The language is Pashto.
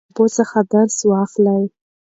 له تجربو څخه درس واخلئ.